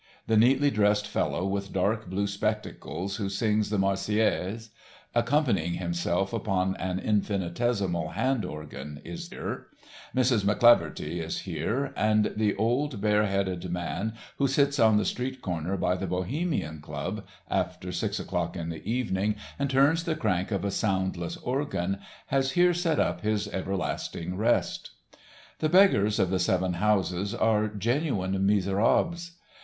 The neatly dressed fellow with dark blue spectacles, who sings the Marseillaise, accompanying himself upon an infinitesimal hand organ, is here; Mrs. McCleaverty is here, and the old bare headed man who sits on the street corner by the Bohemian Club, after six o'clock in the evening and turns the crank of a soundless organ, has here set up his everlasting rest. The beggars of the Seven Houses are genuine miserables.